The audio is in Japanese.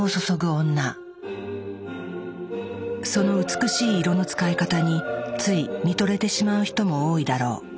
その美しい色の使い方につい見とれてしまう人も多いだろう。